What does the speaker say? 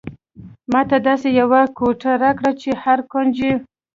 ماته داسې یوه کوټه راکړئ چې هر کونج یې.